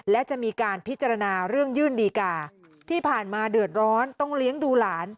และจะมีการพิจารณาเรื่องยื่นดีกาที่ผ่านมาเดือดร้อนต้องเลี้ยงดูหลาน